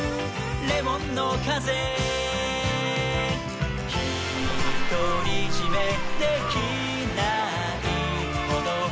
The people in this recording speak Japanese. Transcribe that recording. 「レモンのかぜ」「ひとりじめできないほど」